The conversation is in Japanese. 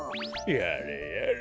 やれやれ。